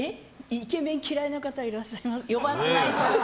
イケメン嫌いな方いらっしゃいます？